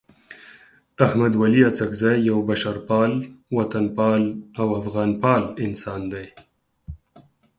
احمد ولي اڅکزی یو بشرپال، وطنپال او افغانپال انسان دی.